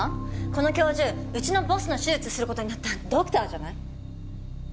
この教授うちのボスの手術する事になったドクターじゃない？